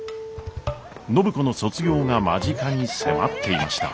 暢子の卒業が間近に迫っていました。